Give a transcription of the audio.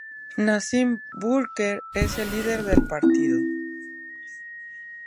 Nazim Burke es el líder del partido.